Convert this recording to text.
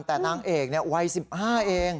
แต่นางเอกเนี่ยวัย๑๕เอง